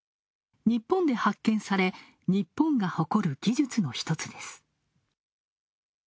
日本で発見され、日本が誇る技術の一つです。